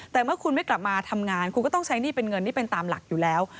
แต่เมื่อคุณไม่กลับมาทำงานคุณก็ต้องใช้หนี้เป็นเงินนี่เป็นตามหลักอยู่แล้ว